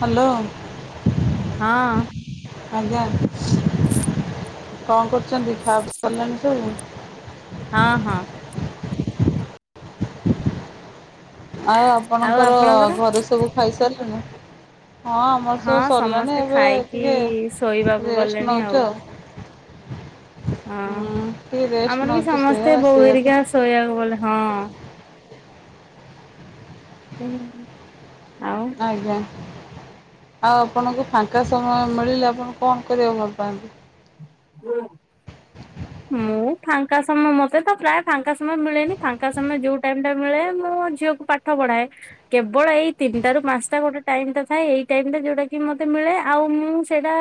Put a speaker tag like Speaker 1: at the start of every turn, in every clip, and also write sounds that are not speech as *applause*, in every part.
Speaker 1: Hello.
Speaker 2: ହଁ।
Speaker 1: ଆଜ୍ଞା କଣ କରୁଚନ୍ତି? ଖାଇବା ପିଇବା ସରିଲାଣି ସବୁ?
Speaker 2: ହଁ ହଁ
Speaker 1: ଆଉ ଆପଣଙ୍କର ଘରେ ସବୁ ଖାଇସାରିଲେଣିି? ହଁ ଆମର
Speaker 2: ହଁ
Speaker 1: ସବୁ ସରିଲାଣି।
Speaker 2: ସମସ୍ତେ
Speaker 1: ଏବେ
Speaker 2: ଖାଇକି
Speaker 1: ଟିକେ
Speaker 2: ଶୋଇବାକୁ
Speaker 1: ରେଷ୍ଟ
Speaker 2: ଗଲେଣି
Speaker 1: ନେଉଛୁ ଆଉ। *unintelligible*
Speaker 2: ହଁ
Speaker 1: ହୁଁ ଟିକେ ରେଷ୍ଟ
Speaker 2: ଆମର ବି
Speaker 1: ନଉଛୁ ସେଇଆ
Speaker 2: ସମସ୍ତେ ବୋଉ
Speaker 1: ସେଇଆ ତ
Speaker 2: ହେରିକା ଶୋଇବାକୁ ଗଲେ। ହଁ। ହୁଁ ହୁଁ ହ
Speaker 1: ଆଜ୍ଞା। ଆଉ ଆପଣଙ୍କୁ ଫାଙ୍କା ସମୟ ମିଳିଲେ ଆପଣ କଣ କରିବାକୁ ଭଲ ପାଆନ୍ତି?
Speaker 2: ମୁଁ ଫା ଙ୍କା ସମୟ ମତେ ତ ପ୍ରାୟ ଫାଙ୍କା ସମୟ ମିଳେନି ଫାଙ୍କା ସମୟ ଯୋଉ ଟାଇମ ଟା ମିଳେ ମୁଁ ମୋ ଝିଅକୁ ପାଠ ପଢ଼ାଏ । କେବଳ ଏଇ ତିନିଟା ରୁ ପାଞ୍ଚ ଟା ଗୋଟେ ଟାଇମ ତ ଥାଏ। ଏଇ ଟାଇମ ରେ ଯୋଉଟା କି ମତେ ମିଳେ ଆଉ ମୁଁ ସେଇଟା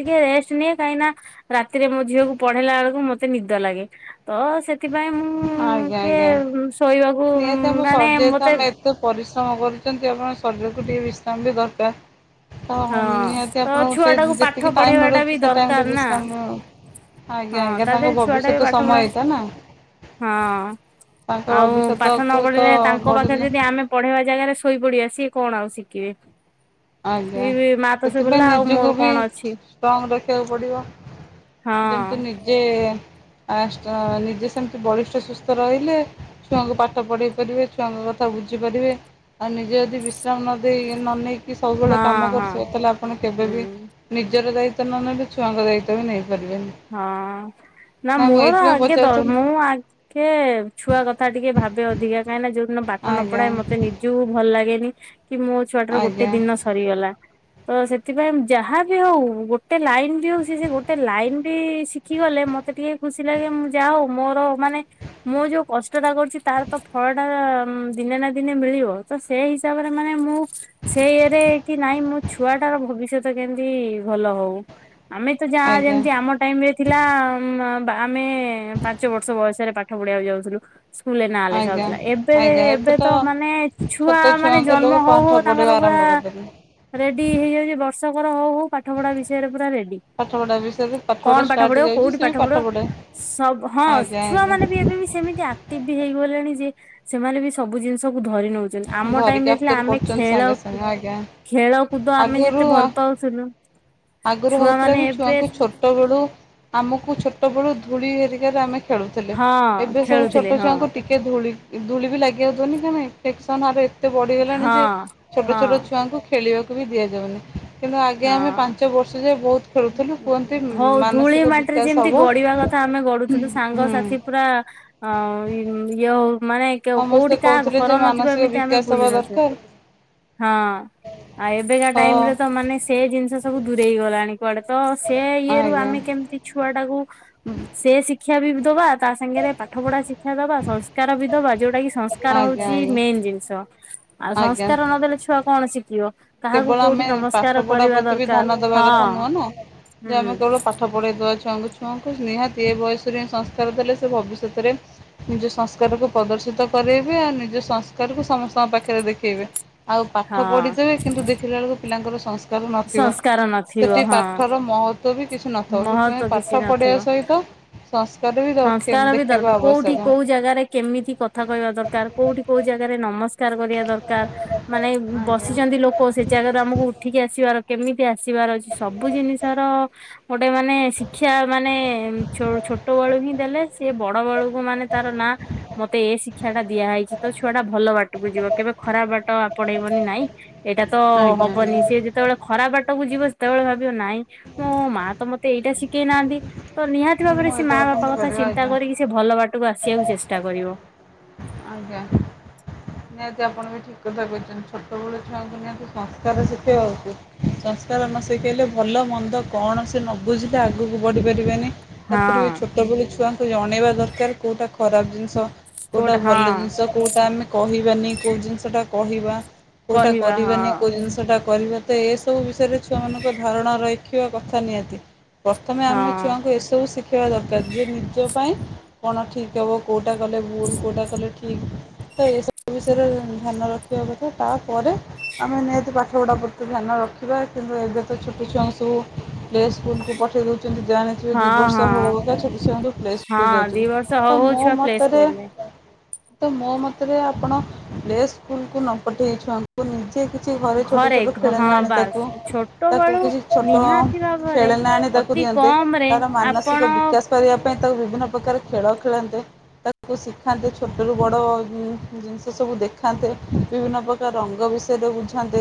Speaker 2: ଟିକେ ରେଷ୍ଟନିଅ କାହିଁକି ନା ରାତିରେ ମୋ ଝିଅକୁ ପଢେଇଲା ବେଳକୁ ମତେ ନିଦ ଲାଗେ। ତ ସେଥି ସେଥିପାଇଁ ମୁଁ
Speaker 1: ଆଜ୍ଞା
Speaker 2: କିଏ
Speaker 1: ଆଜ୍ଞା।
Speaker 2: ଶୋଇବାକୁ
Speaker 1: ନିହାତି ତମକୁ
Speaker 2: ମାନେ
Speaker 1: ସଜି ହେଇଥିବ
Speaker 2: ମତେ
Speaker 1: ତମେ ଏତେ ପରିଶ୍ରମ କରୁଚ ତି ଆପଣଙ୍କ ଶରୀରକୁ ଟିକେ ବିଶ୍ରାମ ବି ଦରକାର। ହଁ ହଁ ନିହାତି
Speaker 2: ତ
Speaker 1: ଆପଣଙ୍କୁ
Speaker 2: ଛୁଆ
Speaker 1: ସେ
Speaker 2: ଟାକୁ
Speaker 1: ଯେତିକି
Speaker 2: ପାଠ
Speaker 1: ଟାଇମ
Speaker 2: ପଢେଇବା ଟା ବି
Speaker 1: ମିଳୁଚି ସେ
Speaker 2: ଦରକାର
Speaker 1: ଟାଇମରେ
Speaker 2: ନା
Speaker 1: ବିଶ୍ରାମ ନିଅ।
Speaker 2: ହଁ
Speaker 1: ଆଜ୍ଞା ଆଜ୍ଞା
Speaker 2: ତା
Speaker 1: ତାଙ୍କ
Speaker 2: ଦେହରେ ଛୁଆ ଟା ବି
Speaker 1: ଭବିଷ୍ୟତ
Speaker 2: ପାଠ ପଢା
Speaker 1: ସମୟ ଏଇଟା ନା।
Speaker 2: ହଁ
Speaker 1: ତାଙ୍କ
Speaker 2: ଆଉ ପାଠ
Speaker 1: ଭବିଷ୍ୟତକୁ
Speaker 2: ନ
Speaker 1: ତ
Speaker 2: ପଢିଲେ ତାଙ୍କ ପାଖରେ
Speaker 1: ଗଢ଼ିଲେ
Speaker 2: ଯଦି ଆମେ ପଢେଇବା ଜାଗାରେ ଶୋଇପଡିଆ ସିଏ କଣ ଆଉ ଶିକିବେ?
Speaker 1: ଆଜ୍ଞା ସେଥିପାଇଁ ନିଜକୁ ବି
Speaker 2: କଣ ଅଛି
Speaker 1: ଷ୍ଟ୍ରଙ୍ଗ ରଖିବାକୁ ପଡିବ। ଯେମିତି
Speaker 2: ହଁ
Speaker 1: ନିଜେ ଆ ନିଜେ ସେମିତି ବଳିଷ୍ଠ ସୁସ୍ଥ ରହିଲେ ଛୁଆଙ୍କୁ ପାଠ ପଢେଇ ପାରିବେ, ଛୁଆଙ୍କ କଥା ଥା ବୁଝିପାରିବେ ଆଉ ନିଜେ ଯଦି ବିଶ୍ରାମ ନଦେଇ ନନେଇକି କି ସବୁବେଳେ
Speaker 2: ହଁ
Speaker 1: କାମ
Speaker 2: ହଁ
Speaker 1: କରୁଥିବେ, ତାହେଲେ ଆପଣ କେବେ ବିି
Speaker 2: ହୁଁ।
Speaker 1: ନିଜର ଦାୟିତ୍ୱ ନ ନେଲେ ଛୁଆଙ୍କ ଦାୟିତ୍ୱ ବି ନେଇ
Speaker 2: ହଁ। ନା
Speaker 1: ମୁଁ
Speaker 2: ମୋର
Speaker 1: ଏଇଥିପାଇଁ
Speaker 2: ଆଗେ ଦ
Speaker 1: ପଚାରୁଥିଲି
Speaker 2: ମୁଁ ଆଗେ ଛୁଆ କଥା ଟିକେ ଭାବ ଏବେ ଅଧିକା କାଇଁନା ଯୋଉଦିନ ପାଠ ନ
Speaker 1: ଆଜ୍ଞା
Speaker 2: ପଢ଼ାଏ ମତେ ନିଜକୁ ଭଲ ଲାଗେନି କି ମୋ ଛୁଆଟାର ଗୋଟେ
Speaker 1: ଆଜ୍ଞା
Speaker 2: ଦିନ ସରିଗଲା। ତ ସେଥିପାଇଁ ଯାହା ବି ହଉ ଗୋଟେ ଲାଇନ ବି ହଉ ସେ ସେ ଗୋଟେ ଲାଇନ ବି ଶିଖି ଗଲେ ମତେ ଟିକେ ଖୁସି ଲାଗେ ମୁଁ ଯା ହଉ ମୋର ମାନେ ମୁଁ ଯୋଉ କଷ୍ଟଟା କରୁଛି ତାର ତ ଫଳ ଟା ଦିନେ ନା ଦିନେ ମିଳିବ ତ ସେଇ ହିସାବରେ ମାନେ ମୁଁ ସେ ଇରେ କି ନାଇଁ ମୋ ଛୁଆଟାର ଭବିଷ୍ୟତ କେମିତି ଭଲ ହଉ, ଆମେ ତ ଯା
Speaker 1: ଆଜ୍ଞା
Speaker 2: ଯେମିତି ଆମ ଟାଇମ ରେ ଥିଲା ଆମେ ପାଞ୍ଚ ବର୍ଷ ବୟସରେ ପାଠ ପଢିବାକୁ ଯାଉଥିଲୁ। ସ୍କୁଲରେ ନାଁ ଲେଖା
Speaker 1: ଆଜ୍ଞା
Speaker 2: ହଉଥିଲା ଏବେ ଏବେ ତ ମାନେ ଛୁଆ ମାନେ ଜନ୍ମ ହଉ ହଉ ତାଙ୍କର
Speaker 1: ଭ
Speaker 2: ପୁରା
Speaker 1: କରୁ
Speaker 2: ରେଡି ହେଇଯାଉଛି, ବର୍ଷକର ହଉ ହଉ ପାଠ ପଢା ବିଷୟରେ ପୁରା ରେଡି
Speaker 1: ଫାଠପଢା ବି ସେ ପ
Speaker 2: କଣ ପାଠ ପଢିବ କୋଉଠି ପାଠ ପଢିବ ସବୁ ହଁ
Speaker 1: ଆଜ୍ଞା
Speaker 2: ଛୁଆ
Speaker 1: ଆଜ୍ଞା
Speaker 2: ମାନେ ବି ଏବେ ବି ସେମିତି ଆକ୍ଟିଭ ବି ହେଇଗଲେଣି ଯେ ସେମାନେ ବି ସବୁ ଜିନିଷକୁ ଧରି ନଉଛନ୍ତି। ଆମ
Speaker 1: ଧରି
Speaker 2: ଟାଇମରେ
Speaker 1: କ୍ୟାପଚର୍
Speaker 2: ଆମେ
Speaker 1: କରୁଛନ୍ତି
Speaker 2: ଖେଳ
Speaker 1: ସାଙ୍ଗେ ସାଙ୍ଗେ ଆଜ୍ଞା
Speaker 2: ଖେଳ କୁଦ ଆମେ ଯେତେ
Speaker 1: ଆଗରୁ
Speaker 2: ଭଲ ପାଉଥିଲୁ
Speaker 1: ଆଗରୁ
Speaker 2: ଛୁଆ
Speaker 1: ହଉଥିଲା
Speaker 2: ମାନେ
Speaker 1: ବି
Speaker 2: ଏବେ
Speaker 1: ଛୁଆଙ୍କୁ ଛୋଟ ବେଳୁ ଆମକୁ ଛୋଟ ବେଳୁ ଧୂଳି ହେରିକାରେ ଆମେ ଖେଳୁଥିଲେ
Speaker 2: ହଁ
Speaker 1: ଏବେ ସବୁ
Speaker 2: ଖେଳୁଥିଲେ
Speaker 1: ଛୋଟ
Speaker 2: ହଁ
Speaker 1: ଛୁଆଙ୍କୁ ଟିକେ ଧୂଳି ଧୂଳି ବି ଲାଗି ଯାଉିବନି କ ନାଇଁ ସେକ୍ସନ ଆର ଏତେ ବଢିଗଲାଣି
Speaker 2: ହଁ
Speaker 1: ଯେ ଛୋଟ
Speaker 2: ହଁ
Speaker 1: ଛୋଟ ଛୁଆଙ୍କୁ ଖେଳିବାକୁ ବି ଦିଆଯାଉନି କିନ୍ତୁ ଆଗେ ଆମେ
Speaker 2: ହଁ
Speaker 1: ପାଞ୍ଚ ବର୍ଷ ଯାଏ। ବହୁତ ଖେଳୁଥିଲୁ କୁହନ୍ତି,
Speaker 2: ହଉ ଧୂଳି
Speaker 1: ମାନସିକ
Speaker 2: ମାଟିରେ
Speaker 1: ବିକାଶ
Speaker 2: ଯେମିତି
Speaker 1: ହେବ
Speaker 2: ଗଡିବା କଥା ଆମେ ଗଡୁଥିଲୁ ସାଙ୍ଗସାଥି ପୁରା ଇଏ ହଉ ମାନେ
Speaker 1: ସମସ୍ତେ
Speaker 2: କୋଉଠି କାହା
Speaker 1: କହୁଥିଲେ ଯେ
Speaker 2: ଘର ନଥିବ
Speaker 1: ମାନସିକ
Speaker 2: ଏମିତି ଆମେ
Speaker 1: ବିକାଶ
Speaker 2: ବୁଲୁ
Speaker 1: ହବା
Speaker 2: ନଥିବା
Speaker 1: ଦରକାର
Speaker 2: ହଁ ଆଉ ଏବେକା
Speaker 1: ତ
Speaker 2: ଟାଇମରେ ମାନେ ସେ ଜିନିଷ ସବୁ ଦୂରେଇଗଲାଣି, କୁଆଡ଼େ ତ ସେ ଇଏରୁ
Speaker 1: ଆଜ୍ଞା
Speaker 2: ଆମେ କେମିତି ଛୁଆଟାକୁ ସେ ଶିକ୍ଷା ବି ଦବା ତା ସାଙ୍ଗରେ ପାଠ ପଢା ଶିକ୍ଷା ଦବା ସଂସ୍କାର ବି ଦବା ଯୋଉଟା କି
Speaker 1: ଆଜ୍ଞା
Speaker 2: ସଂସ୍କାର
Speaker 1: ଆଜ୍ଞା
Speaker 2: ହଉଛି, ମେନ୍ ଜିନିଷ ଆଉ
Speaker 1: ଆଜ୍ଞା।
Speaker 2: ସଂସ୍କାର ନଦେଲେ ଛୁଆ କଣ ଶିଖିବ କାହାକୁ
Speaker 1: କେବଳ
Speaker 2: କୋଉଠି
Speaker 1: ଆମେ ପାଠ
Speaker 2: ନମସ୍କାର
Speaker 1: କପଡା
Speaker 2: କରିବା
Speaker 1: ପ୍ରତି ବି
Speaker 2: ଦରକାର
Speaker 1: ଧ୍ୟାନ ଦବା କଥା
Speaker 2: ହଁ
Speaker 1: ନୁହଁନା, ଯେ ଆମେ
Speaker 2: ହୁଁ
Speaker 1: କେବଳ ପାଠ ପଢେଇ ଦବାକୁ ଛଙ୍ଗୁ ଛୁଆଙ୍କୁ, ନିହାତି ଏ ବୟସରେ ସଂସ୍କାର ଦେଲେ, ସେ ଭବିଷ୍ୟତରେ ନିଜ ସଂସ୍କାରକୁ ପ୍ରଦର୍ଶ ଉଚତ କରାଇବେ, ଆଉ ନିଜ ସଂସ୍କାରକୁ ସମସ୍ତଙ୍କ ପାଖରେ ଦେଖେଇବେ ଆଉ ପାଠ
Speaker 2: ହଁ।
Speaker 1: ପଢ଼ିଦେବେ କିନ୍ତୁ ଦେଖିଲା ବେଳକୁ ପିଲାର ସଂସ୍କାର ନଥିବ
Speaker 2: ସଂସ୍କାର ନଥିବ
Speaker 1: ସେଠି
Speaker 2: ହଁ
Speaker 1: ପାଠର ମହତ୍ ତ ବି କିଛି ନଥାଉ ସେଥିପାଇଁ
Speaker 2: ମହତ୍ଵ
Speaker 1: ପାଠ
Speaker 2: କିଛି
Speaker 1: ପଢ଼ିବା
Speaker 2: ନଥିବ।
Speaker 1: ସହିତ ସଂସ୍କାର ବି ରଖେ
Speaker 2: ସଂସ୍କାର ବି
Speaker 1: ଦେଖେଇବା
Speaker 2: ଦରକାର କୋଉଠି
Speaker 1: ଆବଶ୍ୟକ।
Speaker 2: କୋଉ ଜାଗାରେ କେମିତି କଥା କହିବା ଦରକାର କୋଉଠି କୋଉ ଜାଗା କୋଉ ଯାଗାରେ ନମସ୍କାର ବିଚାର କରିବା ଦରକାର ମାନେ
Speaker 1: ଆଜ୍ଞା।
Speaker 2: ବସିଛନ୍ତି, ଲୋକ ସେ ଜାଗାରୁ ଆମକୁ ଉଠିକି ଆସିବାର କେମିତି ଆସିବାର ଅଛି ସବୁ ଜିନିଷର ଗୋଟେ ମାନେ ଶିକ୍ଷା ମାନେ ଛୋଟ ବେଳୁ ହିଁ ଦେଲେ ସେ ବଡ ବେଳୁକୁ ମାନେ ତାର ନା ମତେ ଏ ଶିକ୍ଷା ଟା ଦିଆ ହେଇଛି ତ ଛୁଆ ଟା ଭଲ ବାଟ ଟକୁୁ ଯିବ କେବେ ଖରାପ ବାଟ ଆପଣେଇବନି ନାଇଁ ଏଇଟା ତ
Speaker 1: ଆଜ୍ଞା ଆଜ୍ଞା
Speaker 2: ହବନି ସେ ଯେତେବେଳେ ଖରାପ ବାଟକୁ ଯିବ, ସେତେବେଳେ ଭାବିବ ନାଇଁ ମୋ ମା ତ ମତେ ଏଇଟା ଶିକେଇ ନାହାନ୍ତି, ତ ନିହାତି ଭାବରେ
Speaker 1: ମୁଁ
Speaker 2: ସେ ମା
Speaker 1: ଏଇଟାକୁ
Speaker 2: ବାପା
Speaker 1: କେମିତି
Speaker 2: କଥା
Speaker 1: କରିବା
Speaker 2: ଚିନ୍ତା,
Speaker 1: ଆଜ୍ଞା
Speaker 2: କରିକି ସେ ଭଲ ବାଟକୁ ଆସିବାକୁ ଚେଷ୍ଟା କରିବ।
Speaker 1: ଆଜ୍ଞା। ନିହାତି ଆପଣ ବି ଠିକ କଥା କହିଛନ୍ତି ଛୋଟବେଳେ ଛୁଆଙ୍କୁ ନିହାତି ସଂସ୍କାର ଶିଖେଇବା ହଉଛି। ସଂସ୍କାର ନ ଶିଖେଇଲେ ଭଲ ମନ୍ଦ କଣ ସେ ନ ବୁଝିଲେ ଆଗକୁ ବଢି ପାରିବେନି ତାପରେ ବି
Speaker 2: ହଁ
Speaker 1: ଛୋଟବେଳୁ ଛୁଆଙ୍କୁ ଜଣେଇବା ଦରକାର, କୋଉଟା ଖରାପ ଜିନିଷ କୋଉଟା ଭଲ ଜିନିଷ କୋଉଟା ଆମେ କହିବାନି, କୋଉ ଜିନିଷ ଟା କହିବା। କୋଉଟା
Speaker 2: କହିବା
Speaker 1: କରିଵା
Speaker 2: ହଁ
Speaker 1: ନି କୋଉ ଜିନିଷ ଟା କରିବ। ତ ଏସବୁ ବିଷୟରେ ଛୁଆମାନଙ୍କ ଧାରଣା ରଖିବା କଥା ନିହାତି ପ୍ରଥମେ
Speaker 2: ହଁ
Speaker 1: ଆମେ ଛୁଆଙ୍କୁ ଏସବୁ ଶିଖେଇବା ଦରକାର ଯେ ନିଜ ପାଇଁ କଣ ଠିକ ହବ କଉଟା କଲେ ଭୁଲ। କେଉଁଟା କଲେ ଠିକ୍ ତ ଏସବୁ ବିଷୟରେ ଧ୍ୟାନ ରଖିବା କଥା ତାପରେ ଆମେ ତି ପାଠପଢ଼ା ପ୍ରତି ଧ୍ୟାନ ରଖିବା କିନ୍ତୁ ଏବେ ତ ଛୋଟ ଛୁଆଙ୍କୁ ସବୁ ପ୍ ସ୍କୁଲକୁ ପଠେଇ ଦେଉ। ଜାଣିଥିବେ
Speaker 2: ହଁ
Speaker 1: ଦୁଇ ବର୍ଷ
Speaker 2: ହଁ
Speaker 1: ହେଉକା ଛୋଟ ଛୁଆଙ୍କୁ ପ୍ଲେ ସ୍କୁଲ
Speaker 2: ହଁ
Speaker 1: ଯାଉଛନ୍ତି,
Speaker 2: ଦି ବର୍ଷ
Speaker 1: ତ
Speaker 2: ହଉ ହଉ
Speaker 1: ମୋ
Speaker 2: ଛୁଆ ପ୍ଲେ
Speaker 1: ମତରେ
Speaker 2: ସ୍କୁଲରେ
Speaker 1: ତ ମୋ ମତରେ ଆପଣ ପ୍ଲେ ସ୍କୁଲ କୁ ନ ପଠେଇ ଛୁଆଙ୍କୁ କି କିଛି ଘରେ ଛୋଟ ଛୋଟ ଖେଳିଲ,
Speaker 2: ହଁ
Speaker 1: ଆଣି
Speaker 2: ବାସ୍
Speaker 1: ତାକୁ
Speaker 2: ଛୋଟ
Speaker 1: ତାକୁ
Speaker 2: ବେଳୁ
Speaker 1: କିଛି ଛୋଟ
Speaker 2: ନିହାତି ଭାବରେ
Speaker 1: ଖେଳନା ଆଣି ତା ତାଙ୍କୁ
Speaker 2: ଅତି
Speaker 1: ଦିଅନ୍ତେ
Speaker 2: କମ ରେ
Speaker 1: ତାର ମାନସିକ
Speaker 2: ଆପଣ
Speaker 1: ବିକାଶ କରିବା। ପାଇଁ ତାକୁ ବିଭିନ୍ନ ପ୍ରକାର ଖେଳ ଖେଳନ୍ତେ ତାକୁ ଖାନ୍ତେ ଛୋଟରୁ ବଡ଼ ଜିନିଷ ସବୁ ଦେଖାନ୍ତେ ବିଭିନ୍ନ ପ୍ରକାର ରଙ୍ଗ ବିଷୟରେ ବୁଝା ନ୍ତେ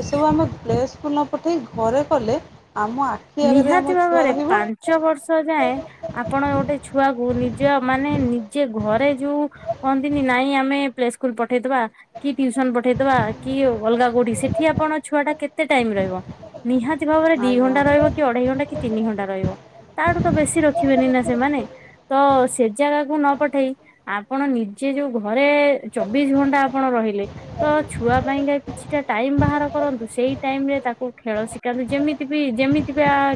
Speaker 1: ଏସବୁ ଆମେ ପ୍ଲେସ୍କୁୁଲ ନ ପଠେଇ ଘରେ କଲେ ଆମ ଆଖି ଆଗରେ
Speaker 2: ନିହାତି
Speaker 1: ଆମ ଛୁଆ
Speaker 2: ଭାବରେ
Speaker 1: ରହିବ
Speaker 2: ପାଞ୍ଚ ବର୍ଷ ଯାଏଁ ଆପଣ ଗୋଟେ ଛୁଆକୁ ନିଜ ମାନେ ନିଜେ ଘରେ ଯୋଉ କହନ୍ତିନି ନାଇଁ ଆମେ ପ୍ଲେସ୍କୁଲ ପ ଠେଇଦବା କି ଟିଉସନ ପଠେଇଦବା କି ଅଲଗା କୋଠି ସେଠି ଆପଣଙ୍କ ଛୁଆ ଟା କେତେ ଟାଇମ ରହିବ? ନିହାତି ଭାବରେ ଦି
Speaker 1: ଆଜ୍ଞା
Speaker 2: ଘଣ୍ଟା ରହିବ। କି ଘଣ୍ଟା କି ତିନି ଘଣ୍ଟା ରହିବ ତାଠୁ ତ ବେଶୀ ରଖିବେନି ନା ସେମାନେ ତ ସେ ଜାଗାକୁ ନ ପଠେଇ ଆପଣ ନିଜେ ଯୋଉ ଘରେ ଚବିଶ ଘଣ୍ଟା ଆପଣ ରହିଲେ ତ ଛୁଆ ପାଇଁକା କିଛିଟା ଟାଇମ ବାହାର କରନ୍ତୁ। ସେଇ ଟାଇମ ରେ ତାକୁ ଖେଳ ଶିଖାନ୍ତୁ ଯେମିତି ବି ଯେମି ତି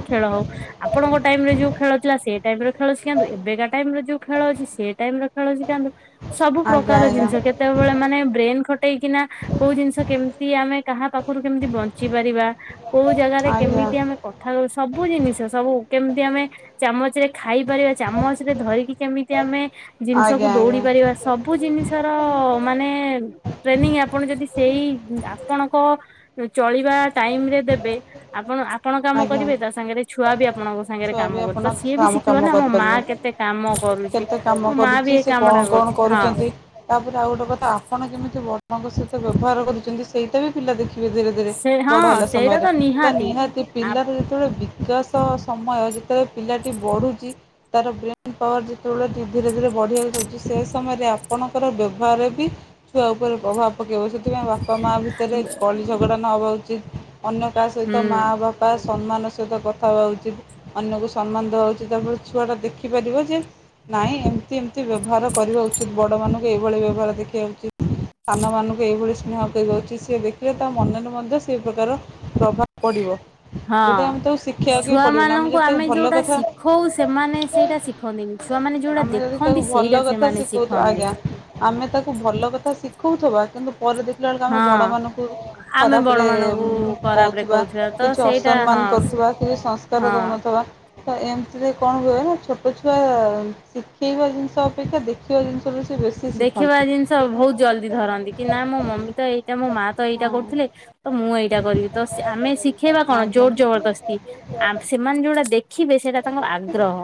Speaker 2: ଖେଳ ହଉ ଆପଣଙ୍କ ଟାଇମ ରେ ଯୋଉ ଖେଳ ଥିଲା ସେଇ ଟାଇମ ରେ ଖେଳ ଶିଖାନ୍ତୁ ଏବେକା ଟାଇମ ରେ ଯୋଉ ଖେଳ ସେ ଟାଇମ ର ଖେଳ ଶିଖାନ୍ତୁ ସବୁ
Speaker 1: ଆଜ୍ଞା
Speaker 2: ପ୍ରକାର
Speaker 1: ଆଜ୍ଞା
Speaker 2: ଜିନିଷ କେତେବେଳେ ମାନେ ବ୍ରେନ ଖ ଟେଇକିନା କୋଉ ଜିନିଷ କେମିତି ଆମେ କାହା ପାଖରୁ କେମିତି ବଞ୍ଚି ପାରିବା? କୋଉ ଜାଗାରେ
Speaker 1: ଆଜ୍ଞା
Speaker 2: କେମିତି ଆମେ କ ସବୁ ଜିନିଷ ସବୁ କେମିତି ଆମେ ଚାମଚରେ ଖାଇପାରିବା ଚାମଚ ରେ ଧରିକି କେମିତି ଆମେ ଜିନିଷକୁ
Speaker 1: ଆଜ୍ଞା
Speaker 2: ଦୌଡି ପାରିବା ସବୁ ଜିନିଷର ମାନେ ଟ୍ରେନିଂ ଆପଣ ଯଦି ସେଇ ଆପଣଙ୍କ ଚଳିବା ଟାଇମରେ ଦେବେ ଆପଣ ଆପ ଣ
Speaker 1: ଆଜ୍ଞା ଆଜ୍ଞା
Speaker 2: କରିବେ ତା ସାଙ୍ଗରେ ଛୁଆ ବି ଆପଣଙ୍କ ସାଙ୍ଗରେ
Speaker 1: ଛୁଆ ବି
Speaker 2: କାମ କରୁ ତ
Speaker 1: ଆପଣ
Speaker 2: ସିଏ ବି
Speaker 1: କାମ
Speaker 2: ଶିଖିବ ନା ଆମ ମା କେତେ କାମ କରୁଛି।
Speaker 1: ମତେ କାମ
Speaker 2: ମୋ ମା ବି
Speaker 1: କରୁଚି
Speaker 2: ଏଇ
Speaker 1: ସେ
Speaker 2: କାମ ଟା
Speaker 1: କଣ କଣ
Speaker 2: କରୁଛି ହଁ
Speaker 1: କରୁଚନ୍ତି ତାପରେ ଆଉ ଗୋଟେ କଥା ଆପଣ କେମିତି ବ ଆପଣଙ୍କ ସହିତ ବ୍ୟବହାର କରୁଚନ୍ତି ସେଇଟା ବି ପିଲା ଦେଖି ଧୀରେ ଧୀରେ
Speaker 2: ସେ
Speaker 1: ବଡ
Speaker 2: ହଁ
Speaker 1: ହେଲା
Speaker 2: ସେଇଟା
Speaker 1: ସମୟରେ ତ ନିହାତି
Speaker 2: ଆ
Speaker 1: ପିଲାର ଯେତେବେଳେ ବିକାଶ ସମୟ ଯେତେବେଳେ ପିଲାଟି ବଢୁଚି, ତାର ବ୍ରେନ ପାୱାର ଯେତେବେଳେ ଧୀରେ ଧୀରେ ବଢ଼ିବାକୁ ଚାହୁଚି ସେ ସମୟରେ ଆପଣଙ୍କର ବ୍ୟବହାରରେ ବି ଛୁଆ ଉପରେ ପ୍ରଭାବ ପକାଇବ ସେଥିପାଇଁ ବା ବପା ମା ଭିତରେ କଳି ଝଗଡ଼ା ନ ହେେବା ଉଚିତ ଅନ୍ୟ କାହା
Speaker 2: ହୁଁ
Speaker 1: ସହିତ ମା ବାପା ସମ୍ମାନ ସହିତ କଥା ହେବା ଉଚିତ୍ ଅନ୍ୟକୁ ସମ୍ମାନ ଦେବା ଉଚିତ୍। ତାପରେ ଛୁଆଟା ଦେଖିପାରିବ ଯେ ନାଇଁ ଏମତି ଏମତି ବ୍ୟବହାର କରିବା ଉଚିତ୍ ବଡମାନାନଙ୍କୁ ଏଇଭଳି ବ୍ୟବହାର ଦେଖାଇବା ଉଚିତ୍। ସାନ ମାନଙ୍କୁ ଏଇଭଳି ସ୍ନେହ କରିବା ଉଚିତ୍ ସେ ଦେଖିଲେ ତା ମନରେ ମଧ୍ୟ ସେଇ ପ୍ରକାର ପ୍ରଭାବ ପଡିବ।
Speaker 2: ହଁ ଛୁଆ ମାନଙ୍କୁ
Speaker 1: ଯଦି ତାକୁ
Speaker 2: ଆମେ
Speaker 1: ଭଲ
Speaker 2: ଯୋଉଟା
Speaker 1: କଥା
Speaker 2: ଶିଖଉ ସେମାନେ ସେଇଟା ଶିଖନ୍ତିନି। ଛୁଆମାନେ ଯୋଉଟା
Speaker 1: ଆମେ ଯଦି ତାକୁ
Speaker 2: ଦେଖନ୍ତି
Speaker 1: ଭଲ
Speaker 2: ସେଇଟା
Speaker 1: କଥା
Speaker 2: ସେମାନେ
Speaker 1: ଶିଖଉଥିବା
Speaker 2: ଶିଖନ୍ତି।
Speaker 1: ଆଜ୍ଞା ଆମେ ତାକୁ ଭଲ କଥା ଶିଖଉଥିବା। କିନ୍ତୁ ପରେ ଦେଖିଲା ବେଳକୁ ଆମେ
Speaker 2: ହଁ
Speaker 1: ବଡ ମାନଙ୍କୁ
Speaker 2: ଆମେ ବଡ
Speaker 1: ଖରାପରେ
Speaker 2: ମାନଙ୍କୁ ଖରାପ ରେ
Speaker 1: କହୁଥିବା
Speaker 2: ତ
Speaker 1: କିଛି
Speaker 2: ସେଇଟା ହଁ
Speaker 1: ଅସମ୍ମାନ କରୁଥିବା କି ସଂସ୍କାର
Speaker 2: ହଁ।
Speaker 1: ରହୁନଥିବ ତ ଏମିତିରେ କଣ ହୁଏ ନା ଛୋଟ ଛୁଆ ଶିଖେଇବା ଜିନିଷ ଅପେକ୍ଷା ଦେଖିବା ଜିନିଷ
Speaker 2: ଦେଖିବା ଜିନିଷ ବହୁତ ଜଲଦି ଧରନ୍ତି କି ନା ମୋ ମମି ତ ଏଇ ମୋ ମା ତ ଏଇଟା କରୁଥିଲେ
Speaker 1: ହଁ
Speaker 2: ତ ମୁଁ ଏଇଟା କରିବି ତ ଆମେ ଶିଖେଇବା କଣ
Speaker 1: ଆଜ୍ଞା
Speaker 2: ଜୋର ଜବରଦସ୍ତି। ଆ ସେମାନେ ଯୋଉଟା ଦେଖିବେ ସେଇଟା ତାଙ୍କର ଆଗ୍ରହ।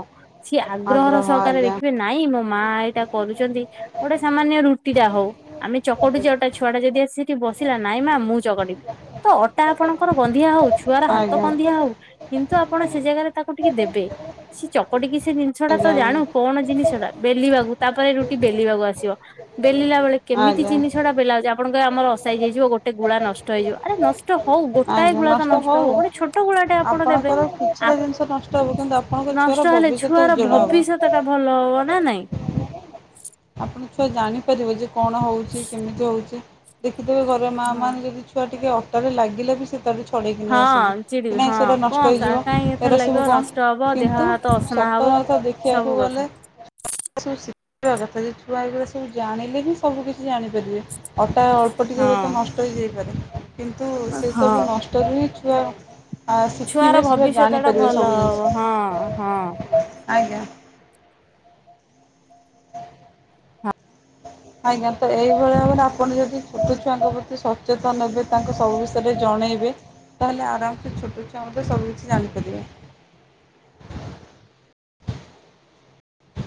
Speaker 2: ସିଏ ଆଗ୍ରହର
Speaker 1: ଆଗ୍ରହ
Speaker 2: ସହକାରେ
Speaker 1: ଆଜ୍ଞା
Speaker 2: ଦେଖିବେ ନାଇଁ ମୋ ମା ଏଇଟା କରୁଚନ୍ତି। ଗୋଟେ ସାମାନ୍ୟ ରୁଟି ଟା ହଉ ଆମେ ଚକଟୁ ଅଟା ଛୁଆ ଟା ଯଦି ଆସି ବସିଲା ନାଇଁ ମା ମୁଁ ଚଗଡିବି ତ ଅଟା ଆପଣଙ୍କର ଗନ୍ଧିଆ ହଉ ଛୁଆର ହାତ
Speaker 1: ଆଜ୍ଞା
Speaker 2: ଗନ୍ଧିଆ ହଉ କିନ୍ତୁ ଆପଣ ସେ ଜାଗାରେ ତାକୁ ଟିକେ ଦେବେ। ସେ ଚକଟିକିନା ସେ ଜିନିଷ ଟା ତ
Speaker 1: ଆଜ୍ଞା ଆଜ୍ଞା
Speaker 2: ଜାଣୁ କଣ ଜିନିଷ ଟା ବେଲିବାକୁ ତାପରେ ରୁଟି ବେଲିବାକୁ ଆସି ବ। ବେଲିଲା ବେଳେ କେମିତି
Speaker 1: ଆଜ୍ଞା
Speaker 2: ଜିନିଷ ଟା ବେଲାଉଚି ଆପଣଙ୍କ ଆମର ଅସ ହେଇ ହେଯିବ ଗୋଟେ ଗୁଳା ନଷ୍ଟ ହେଇଯିବ ଆରେ ନଷ୍ଟ ହଉ ଗୋଟାଏ
Speaker 1: ଆଜ୍ଞା
Speaker 2: ଗୁଳା ତ ନଷ୍ଟ ହବ
Speaker 1: ହଉ
Speaker 2: ଗୋଟେ ଛୋଟ ଗୁଳାଟା ଆପଣ ଦେବେ,
Speaker 1: ଆପଣଙ୍କର
Speaker 2: ଆ
Speaker 1: କିଛିଟା ଜିନିଷ ନଷ୍ଟ ହେବ କିନ୍ତୁ ଆପଣଙ୍କ ଛୁଆର
Speaker 2: ନଷ୍ଟ ହେଲେ
Speaker 1: ଭବିଷ୍ୟତ
Speaker 2: ଛୁଆର
Speaker 1: ଉଜ୍ଜଳ ହେବ।
Speaker 2: ଭବିଷ୍ୟତ ଟା ଭଲ ହବ। ନା ନାଇଁ?
Speaker 1: ଆପଣ ଛୁଆ ଜାଣିପାରିବ ଯେ କଣ ହଉଚି କେମିତି ହଉଚି ଦେଖିଥିବେ ଘର ମାଆ ମାନ ଯଦି ଛୁଆ ଟିକେ ଅ ତରେ ଲାଗିଲା ବି ସେ ତା ପଳେଇକିନି ଆସନ୍ତି
Speaker 2: ହଁ ଚିଡିବି
Speaker 1: କି ନାଇଁ
Speaker 2: ହଁ
Speaker 1: ସେଟା ନଷ୍ଟ
Speaker 2: କଣ
Speaker 1: ହେଇଯିବ
Speaker 2: କାହିଁ
Speaker 1: ।
Speaker 2: ଏଥର
Speaker 1: ଏରା ସବୁ
Speaker 2: ଲାଗିବ
Speaker 1: କଣ?
Speaker 2: ନଷ୍ଟ ହବ ଦେହ
Speaker 1: କିନ୍ତୁ
Speaker 2: ହାତ ଅସନା ହବ।
Speaker 1: ସତ। ତକଥା
Speaker 2: ସବୁ
Speaker 1: ଦେଖିବାକୁ
Speaker 2: କଥା
Speaker 1: ଗଲେ ଏ ସବୁ ସିଖ୍ ଶିଖିବା କଥା। ଯଦି ଛୁଆ ଏଇଗୁରା ସବୁ ଜାଣିଲେ ହିଁ ସବୁ କିଛି ଜାଣିପାରିବେ। ଅଟା ତ ଟିକେ ହୁଏ ତ
Speaker 2: ହଁ
Speaker 1: ନଷ୍ଟ ହେଇଯାଇପାରେ। କିନ୍ତୁ
Speaker 2: ହଁ
Speaker 1: ସେସବୁ ନଷ୍ଟରୁ ହିଁ ଛୁଆ ଆ
Speaker 2: ଛୁଆର
Speaker 1: ଶିଖିବେ। ସେ
Speaker 2: ଭବିଷ୍ୟତ ଟା
Speaker 1: ଜାଣିପାରିବେ
Speaker 2: ଭଲ
Speaker 1: ସବୁ
Speaker 2: ହବ ହଁ ହଁ।
Speaker 1: ଜିନିଷ। ଆଜ୍ଞା। ହ *unintelligible* ଆଜ୍ଞା ତ ଏଇଭଳିଆ ଭାବରେ ଆପଣ ଯଦି ଛୋଟ ଛୁଆଙ୍କ ପ୍ରତି ସଚେତନ ନେବେ ତାଙ୍କୁ ସବୁ ବିଷୟରେ ଜ ଣେଇବେ ତାହେଲେ ଆରାମ୍ ସେ ଛୋଟ ଛୁଆ ମଧ୍ୟ ସବୁକିଛି ଜାଣିପାରିବେ । *unintelligible*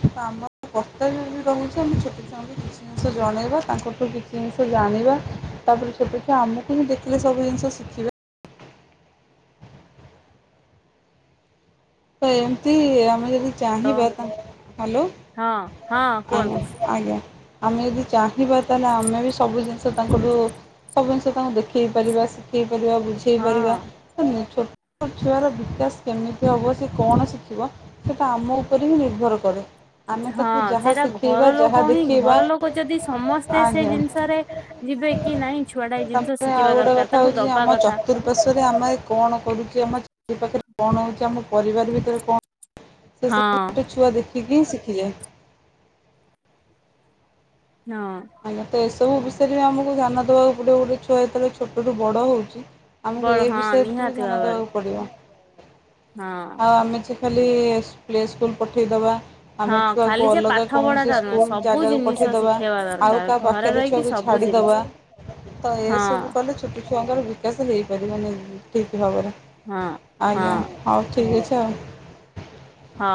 Speaker 1: ତ ଆମର ତ କର୍ତ୍ତବ୍ୟ ବି ରହୁଛି ଆମେ ଛୋଟ ଛୁଆଙ୍କୁ କିଛି ଜିନିଷ ଜଣେଇବା ତାଙ୍କଠୁ କିଛି ଜିନିଷ ଜାଣ ଣିବା ତାପରେ ଛୋଟ ଛୁଆ ଆମକୁ ହିଁ ଦେଖିଲେ ସବୁ ଜିନିଷ ଶିଖିବେ। ତ ଏମତି ଆମେ ଯଦି
Speaker 2: ହଁ
Speaker 1: ଚାହିଁବା ତା ହ୍ୟାଲୋ
Speaker 2: ହଁ ହଁ କୁହନ୍ତୁ
Speaker 1: ଆଜ୍ଞ୍ ଆଜ୍ଞା। ଆମେ ଯଦି ଚାହିଁବା ତାହେଲେ ଆମେ ବି ସବୁ ଜିନିଷ ତାଙ୍କଠୁ ସବୁ ଜିନିଷ ତାଙ୍କୁ ଦେଖେଇ ପାରିବା ଶିଖେଇ ପାରିବା ବୁଝେଇ
Speaker 2: ହଁ।
Speaker 1: ପାରିବା *unintelligible* ଛୋଟ ଛୁଆର ବିକାଶ କେମିତି ହବ। ସେ କଣ ଶିଖିବ ସେଇଟା ଆମ ଉପରେ ହିଁ ନିର୍ଭର କରେ। ଆମେ ତାକୁ
Speaker 2: ହଁ
Speaker 1: ଯାହା
Speaker 2: ସେଇଟା
Speaker 1: ଶିଖେଇବା
Speaker 2: ଘର
Speaker 1: ଯାହା
Speaker 2: ଲୋକ ହିଁ ଘର
Speaker 1: ଦେଖେଇବା
Speaker 2: ଲୋକ ଯଦି ସମସ୍ତେ ସେ
Speaker 1: ଆଜ୍ଞା।
Speaker 2: ଜିନିଷରେ ଯିବେ କି ନାଇଁ ଛୁଆଟା ଏଇ ଜିନିଷ
Speaker 1: ତାପରେ ଆଉ
Speaker 2: ଶିଖିବା
Speaker 1: ଗୋଟେ
Speaker 2: ଦରକାର
Speaker 1: କଥା
Speaker 2: ତାକୁ
Speaker 1: ହଉଛି
Speaker 2: ଦବା
Speaker 1: ଆମ
Speaker 2: କଥା।
Speaker 1: ଚତୁଃରପାର୍ଶ୍ଵରେ ଆମେ କଣ କରୁଚେ ଆମ ଏ ପାଖରେ କଣ ହଉଚି ଆମ ପରିବାର ଭିତରେ କଣ ସେ ସବୁ
Speaker 2: ହଁ
Speaker 1: ଗୋଟେ ଛୁଆ ଦେଖିକି ବି ଶିଖିଯାଏ।
Speaker 2: ହଁ।
Speaker 1: ସବୁ ବିଷୟରେ ବି ଆମକୁ ଧ୍ୟାନ ଦେବାକୁ ପଡ଼ିବ ଗୋଟେ ଛୁଆ ଯେତବେଳେ ଛୋଟରୁ ବଡ଼ ହଉଚି ଆମକୁ
Speaker 2: ବଳ
Speaker 1: ଏ
Speaker 2: ହଁ
Speaker 1: ବିଷୟରେ ଟିକେ
Speaker 2: ନିହାତି
Speaker 1: ଧ୍ୟାନ
Speaker 2: ଭାବରେ
Speaker 1: ଦେବାକୁ ପଡିବ।
Speaker 2: ହଁ
Speaker 1: ଆଉ ଆମେ ଯେ ଖାଲି ପ୍ଲେ ସ୍କୁଲ ପଠେଇଦବା ଆମେ
Speaker 2: ହଁ ଖାଲି
Speaker 1: ଛୁଆକୁ
Speaker 2: ଯେ
Speaker 1: ଅଲଗା
Speaker 2: ପାଠ
Speaker 1: କୌଣସି
Speaker 2: ପଢାଟା ନୁହେଁ
Speaker 1: ସ୍କୁଲ
Speaker 2: ସବୁ
Speaker 1: ଜାଗାକୁ
Speaker 2: ଜିନିଷ
Speaker 1: ପଠେଇଦବା।
Speaker 2: ଶିଖେଇବା
Speaker 1: ଆଉ
Speaker 2: ଦରକାର
Speaker 1: କାହା
Speaker 2: ଘରେ
Speaker 1: ପାଖରେ
Speaker 2: ରହିକି
Speaker 1: ଛୁଆକୁ
Speaker 2: ସବୁ ଜିନିଷ
Speaker 1: ଛାଡିଦବା ତ
Speaker 2: ହଁ
Speaker 1: ଏସବୁ କଲେ ଛୁଟି ଛୁଆଙ୍କର ବିକାଶ ହେଇପାରିବନି ଠିକ ଭାବରେ।
Speaker 2: ହଁ ହଁ
Speaker 1: ଆଜ୍ଞା ହଉ ଠିକ୍ ଅଛି। ତ।
Speaker 2: ହଁ।